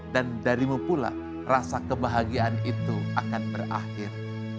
dan darimu pula rasa kebahagiaan itu akan berakhir